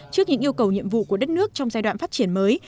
trước những yêu cầu nhiệm vụ của đất nước trong giai đoạn phát triển mới